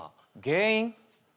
原因？